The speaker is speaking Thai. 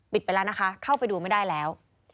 ไปแล้วนะคะเข้าไปดูไม่ได้แล้ว